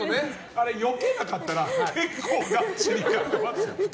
あれ、よけなかったら結構がっつりいってましたよ。